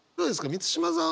満島さん。